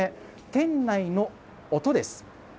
店内の音です。